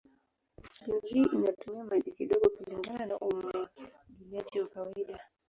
Mbinu hii inatumia maji kidogo kulingana na umwagiliaji wa kawaida.